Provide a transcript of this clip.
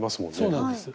そうなんです。